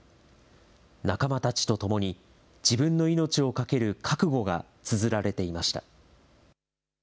仲間たちとともに、自分の命をかける覚悟がつづられていました。